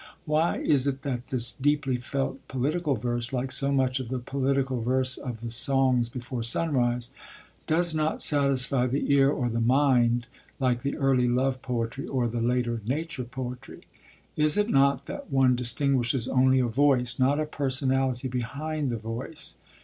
Why is it that this deeply felt political verse, like so much of the political verse of the Songs before Sunrise, does not satisfy the ear or the mind like the early love poetry or the later nature poetry? Is it not that one distinguishes only a voice, not a personality behind the voice?